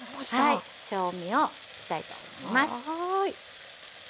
はい調味をしたいと思います。